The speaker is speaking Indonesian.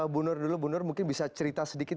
bu nur dulu mungkin bisa cerita sedikit